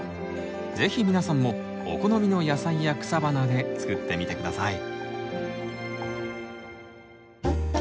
是非皆さんもお好みの野菜や草花で作ってみて下さい。